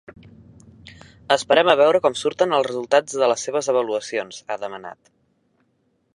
“Esperem a veure com surten els resultats de les seves avaluacions”, ha demanat.